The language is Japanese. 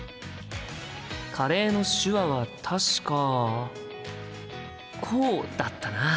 カレーの手話は確かこうだったな。